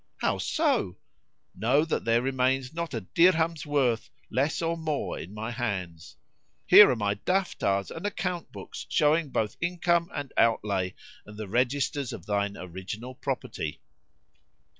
"How so?" "Know that there remains not a dirham's worth, less or more in my hands. Here are my Daftars and account books showing both income and outlay and the registers of thine original property."